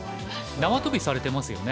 縄跳びされてますよね。